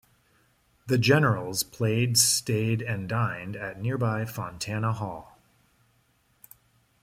The Generals' players stayed and dined at nearby Fontana Hall.